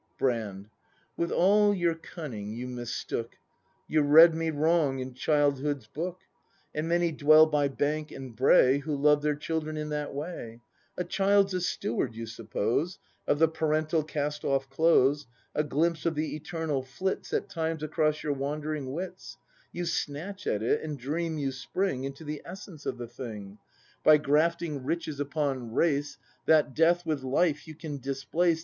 Brand. With all your cunning you mistook; You read me wrong in childhood's book. And many dwell by bank and brae Who love their children in that way; — A child's a steward, you suppose, Of the parental cast off clothes; A glimpse of the Eternal flits At times across your wandering wits; You snatch at it, and dream you spring Into the essence of the thing ACT ti] BRAND 91 By grafting Riches upon Race; — That Death with Life you can displace.